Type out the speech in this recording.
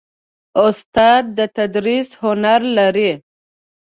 استاد د تدریس هنر لري.